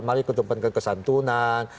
mari mengkedepankan kesantunan